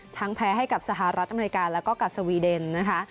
แพ้ให้กับสหรัฐอเมริกาแล้วก็กับสวีเดนนะคะ